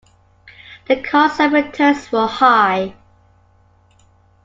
The costs and returns were high.